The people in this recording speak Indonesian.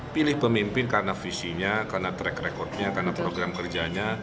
pilih pemimpin karena visinya karena track recordnya karena program kerjanya